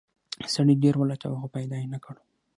سړي ډیر ولټاوه خو پیدا یې نه کړ.